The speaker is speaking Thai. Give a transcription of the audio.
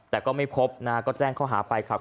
แต่ก็ไม่พบนะก็แจ้งข้อหาไปครับ